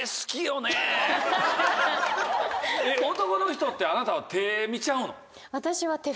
男の人ってあなたは。